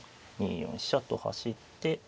２四飛車と走って。